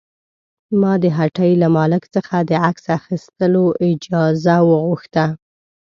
ما د هټۍ له مالک څخه د عکس اخیستلو اجازه وغوښته.